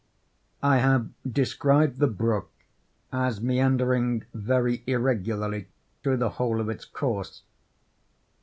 I have described the brook as meandering very irregularly through the whole of its course.